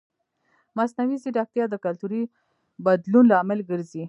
مصنوعي ځیرکتیا د کلتوري بدلون لامل ګرځي.